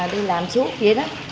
đi làm suốt vậy đó